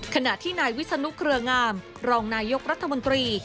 ขณะที่นายวิศนุเครืองามรองนายกรัฐมนตรี